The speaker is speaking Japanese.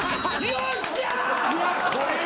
よっしゃ！